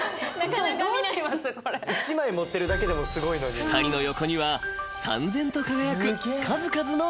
［２人の横にはさんぜんと輝く数々の金メダル］